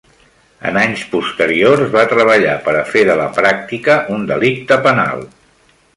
En anys posteriors, va treballar per a fer de la pràctica un delicte penal.